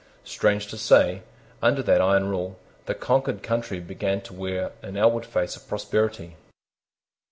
Strange to say, under that iron rule, the conquered country began to wear an outward face of prosperity.